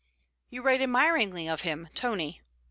'You write admiringly of him, Tony.'